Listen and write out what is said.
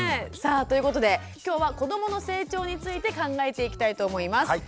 さあということで今日は子どもの成長について考えていきたいと思います。